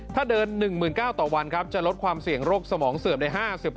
ถ้าเดิน๑๙๐๐ต่อวันครับจะลดความเสี่ยงโรคสมองเสื่อมได้๕๐